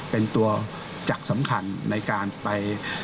เป็นตัวจักรสำคัญในการไป